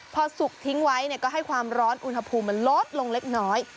พอสุกทิ้งไว้ก็ให้ความร้อนอุณหภูมิมันลดลงเล็กน้อย